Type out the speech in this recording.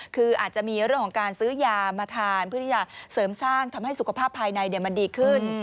คืออาจจะมีเรื่องของการซื้อยามาทานเพื่อที่จะเสริมสร้างทำให้สุขภาพภายในมันดีขึ้น